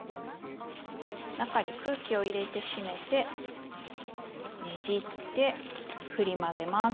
中に空気を入れて閉めてねじってふり混ぜます。